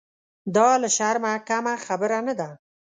دا له شرمه کمه خبره نه ده.